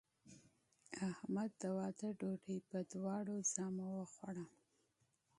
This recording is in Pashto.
احمد د واده ډوډۍ په دواړو ژامو وخوړه.